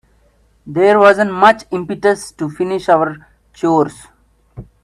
There wasn't much impetus to finish our chores.